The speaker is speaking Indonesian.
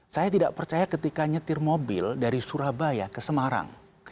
saya tidak percaya ketika nyetir mobil dari surabaya ke semarang